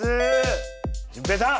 淳平さん！